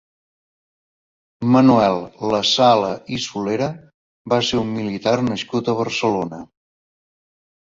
Manuel Lassala i Solera va ser un militar nascut a Barcelona.